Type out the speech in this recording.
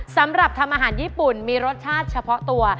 สำหรับทำอาหารญี่ปุ่นมีรสชาติเฉพาะตัว